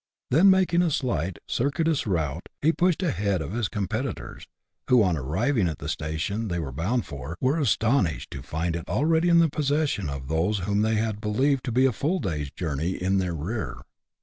Then making a slightly circuitous route, he pushed a head of his com petitors, who, on arriving at the station they were bound for, were astonished to find it already in the possession of those whom they had believed to be a full day's journey in their rear.